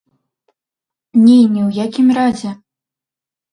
Не, ні ў якім разе!